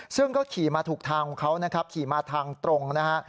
ซึ่งก็ขี่มาถูกทางของเขานะครับขี่มาทางตรงนะฮะ